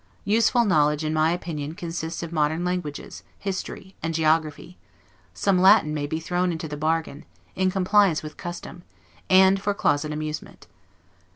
Useful knowledge in my opinion consists of modern languages, history, and geography; some Latin may be thrown into the bargain, in compliance with custom, and for closet amusement.